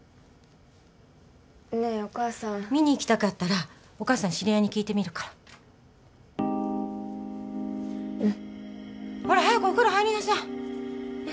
ねえお母さん見に行きたかったらお母さん知り合いに聞いてみるからうんほら早くお風呂入りなさいねっ